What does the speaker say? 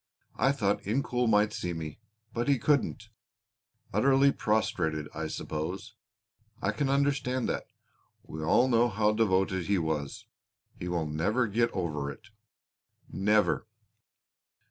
I thought Incoul might see me, but he couldn't. Utterly prostrated I suppose. I can understand that. We all know how devoted he was. He will never get over it never."